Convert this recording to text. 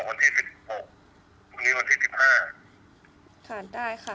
คุณพ่อได้จดหมายมาที่บ้าน